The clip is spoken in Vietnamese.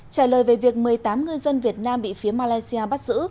trả lời về việc một mươi tám ngư dân việt nam bị phía malaysia bắt giữ